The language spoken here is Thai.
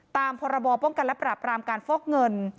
ตามพรบป้องกันและปราบรามการฟอกเงิน